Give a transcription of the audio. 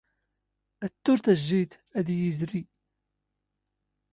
ⴰⴷ ⵜ ⵓⵔ ⵜⴰⵊⵊⴷ ⴰⴷ ⵉⵢⵉ ⵉⵥⵕ!